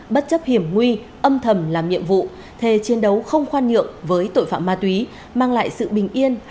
bất chấp hiểm nguy âm thầm làm nhiệm vụ thề chiến đấu không khoan nhượng với tội phạm ma túy mang lại sự bình yên